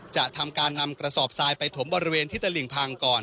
จะทำการนำกระสอบทรายไปถมบริเวณที่ตลิ่งพังก่อน